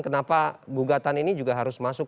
kenapa gugatan ini juga harus masuk